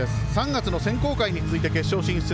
３月の選考会に続いて決勝進出